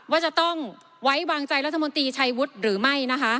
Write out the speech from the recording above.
ว่าจะต้องไว้วางใจรัฐมนตรีชัยวุฒิหรือไม่นะคะ